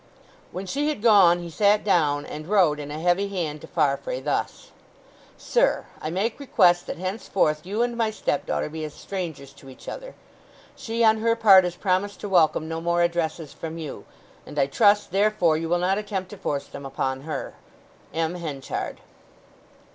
When she had gone he sat down, and wrote in a heavy hand to Farfrae thus:— Sir,—I make request that henceforth you and my stepdaughter be as strangers to each other. She on her part has promised to welcome no more addresses from you; and I trust, therefore, you will not attempt to force them upon her. M. HENCHARD.